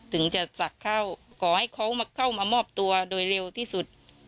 ถึงจะศักดิ์เข้าขอให้เขาเข้ามามอบตัวโดยเร็วที่สุด